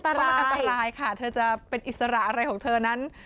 แต่ว่ามันอันตรายค่ะเธอจะเป็นอิสระอะไรของเธอนั้น